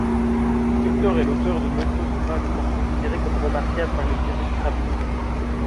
Spektor est l'auteur de nombreux ouvrages encore considérés comme remarquables par les érudits rabbiniques.